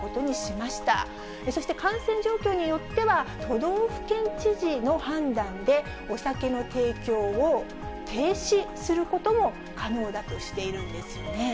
そして感染状況によっては、都道府県知事の判断で、お酒の提供を停止することも可能だとしているんですよね。